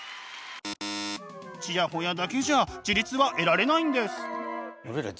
チヤホヤだけじゃあ自律は得られないんです。